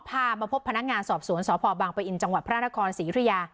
พามาพบพนักงานสอบสวนสพบังปะอินจังหวัดพระนครศรียุธยา